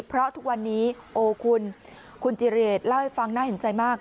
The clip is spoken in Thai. เพราะทุกวันนี้โอ้คุณคุณจิเรศเล่าให้ฟังน่าเห็นใจมาก